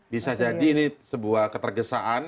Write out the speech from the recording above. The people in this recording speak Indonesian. bisa jadi ini sebuah ketergesaan